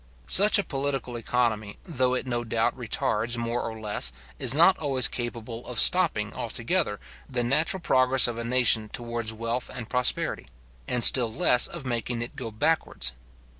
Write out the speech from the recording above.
Such a political economy, though it no doubt retards more or less, is not always capable of stopping altogether, the natural progress of a nation towards wealth and prosperity, and still less of making it go backwards.